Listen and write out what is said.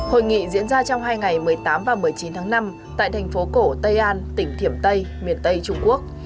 hội nghị diễn ra trong hai ngày một mươi tám và một mươi chín tháng năm tại thành phố cổ tây an tỉnh thiểm tây miền tây trung quốc